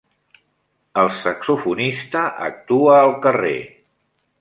El saxofonista actua al carrer.